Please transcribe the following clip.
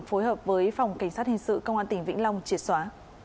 phối hợp với phòng cảnh sát hình sự công an tỉnh vĩnh long triệt xóa